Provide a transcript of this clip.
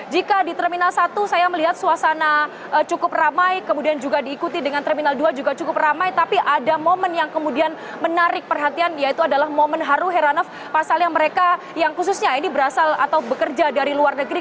jika di terminal satu saya melihat suasana cukup ramai kemudian juga diikuti dengan terminal dua juga cukup ramai tapi ada momen yang kemudian menarik perhatian yaitu adalah momen haru heranov pasalnya mereka yang khususnya ini berasal atau bekerja dari luar negeri